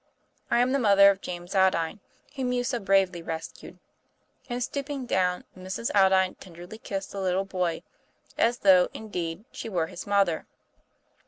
I am the mother of James Aldine, whom you so bravely rescued." And stooping down, Mrs. Aldine tenderly kissed the little boy, as though, indeed, she were his mother.